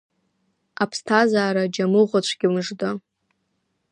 Аԥсҭазара џьамыӷәацәгьа мыжда!